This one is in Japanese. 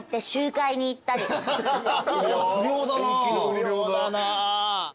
不良だな。